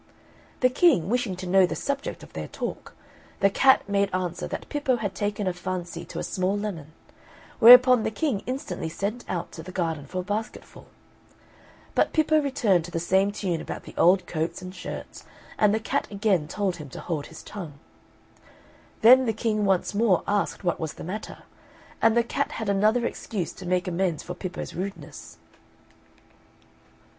The King, wishing to know the subject of their talk, the cat made answer that Pippo had taken a fancy to a small lemon; whereupon the King instantly sent out to the garden for a basketful. But Pippo returned to the same tune about the old coats and shirts, and the cat again told him to hold his tongue. Then the King once more asked what was the matter, and the cat had another excuse to make amends for Pippo's rudeness.